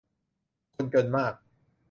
คนจนมาก